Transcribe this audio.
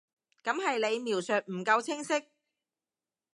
噉係你描述唔夠清晰